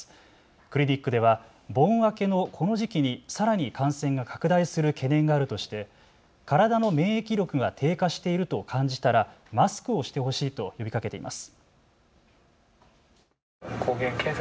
クリニックでは盆明けのこの時期にさらに感染が拡大する懸念があるとして体の免疫力が低下していると感じたらマスクをしてほしいと呼びかけています。